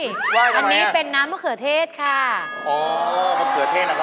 ไหว้ทำไมน่ะอันนี้เป็นน้ำมะเขือเทศค่ะอ๋อมะเขือเทศหรอ